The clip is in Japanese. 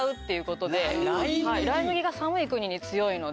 ライ麦が寒い国に強いので。